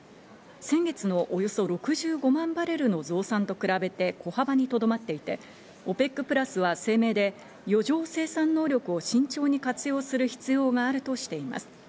先月のおよそ６５万バレルの増産と比べて小幅にとどまっていて、ＯＰＥＣプラスは声明で余剰生産能力を慎重に活用する必要があるとしています。